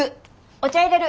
お茶いれる。